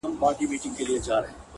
اوس مي حافظه ډيره قوي گلي-